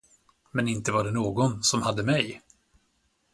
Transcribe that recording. Men inte var det någon, som hade mig.